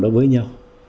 đó với nhau